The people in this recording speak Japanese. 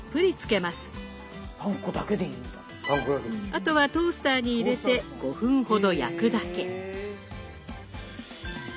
あとはトースターに入れて５分ほど焼くだけ。